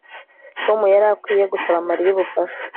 Tom yari akwiye gusaba Mariya ubufasha